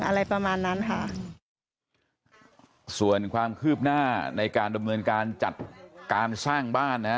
อะไรประมาณนั้นค่ะส่วนความคืบหน้าในการดำเนินการจัดการสร้างบ้านนะฮะ